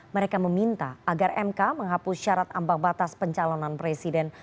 mereka meminta agar mk menghapus syarat ambang batas pencalonan presiden